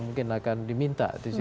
mungkin akan diminta